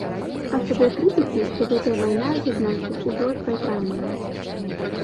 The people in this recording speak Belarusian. А што да крытыкі, то гэтая вайна за знакі ўжо прайграная.